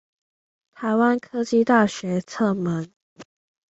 臺灣科技大學側門